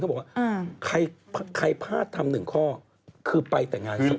เขาบอกว่าใครพลาดทำ๑ข้อคือไปแต่งานสุด